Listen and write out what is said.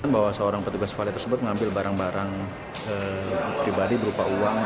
bahwa seorang petugas vale tersebut mengambil barang barang pribadi berupa uang